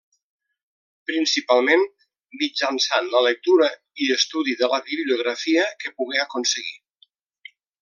Principalment, mitjançant la lectura i estudi de la bibliografia que pogué aconseguir.